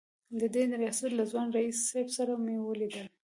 د دې ریاست له ځوان رییس صیب سره مې ولیدل.